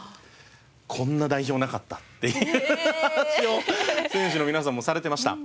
「こんな代表なかった」っていう話を選手の皆さんもされてました。